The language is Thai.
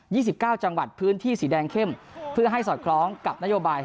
ี่สิบเก้าจังหวัดพื้นที่สีแดงเข้มเพื่อให้สอดคล้องกับนโยบาย